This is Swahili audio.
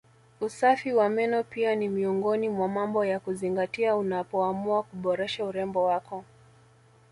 Usafi wa meno pia ni miongoni mwa mambo ya kuzingatia unapoamua kuboresha urembo wako